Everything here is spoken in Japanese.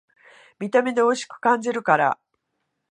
見た目でおいしく感じるから